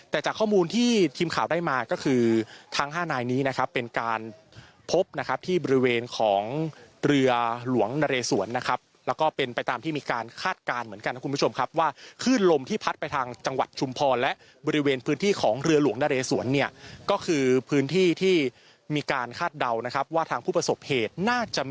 แต่จากข้อมูลที่ทีมข่าวได้มาก็คือทั้ง๕นายนี้นะครับเป็นการพบนะครับที่บริเวณของเรือหลวงนเรสวนนะครับแล้วก็เป็นไปตามที่มีการคาดการณ์เหมือนกันนะคุณผู้ชมครับว่าคลื่นลมที่พัดไปทางจังหวัดชุมพรและบริเวณพื้นที่ของเรือหลวงนเรสวนเนี่ยก็คือพื้นที่ที่มีการคาดเดานะครับว่าทางผู้ประสบเหตุน่าจะมี